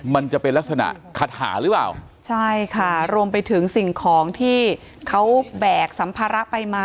มันจะเป็นลักษณะคาถาหรือเปล่าใช่ค่ะรวมไปถึงสิ่งของที่เขาแบกสัมภาระไปมา